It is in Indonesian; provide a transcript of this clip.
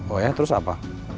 oh ya terus apa